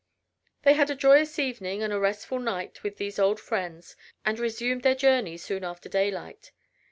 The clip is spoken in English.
They had a joyous evening and a restful night with these old friends and resumed their journey soon after daylight.